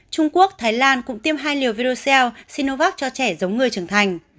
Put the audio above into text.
trung quốc thái lan cũng tiêm hai liều virus sinovac cho trẻ giống người trưởng thành